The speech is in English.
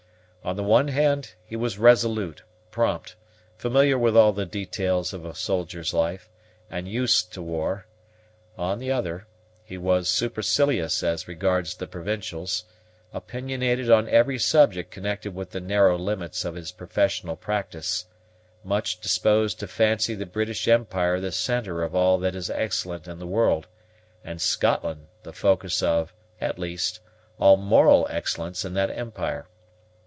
On the one hand, he was resolute, prompt, familiar with all the details of a soldier's life, and used to war; on the other, he was supercilious as regards the provincials, opinionated on every subject connected with the narrow limits of his professional practice, much disposed to fancy the British empire the centre of all that is excellent in the world, and Scotland the focus of, at least, all moral excellence in that empire.